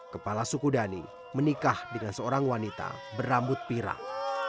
kepala suku dhani menikah dengan seorang wanita berambut pirang